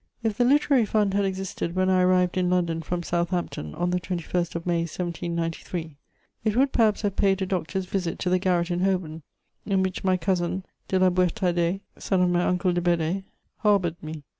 If the Literary Fund had existed when I arrived in London from Southampton on the 21st of May 1793, it would perhaps have paid a doctor's visit to the garret in Holborn in which my cousin de La Boüétardais, son of my uncle de Bedée, harboured me.